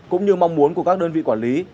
cũng như mong muốn của các đơn vị quản lý